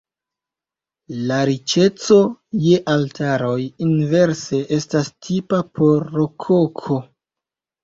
La riĉeco je altaroj inverse estas tipa por rokoko.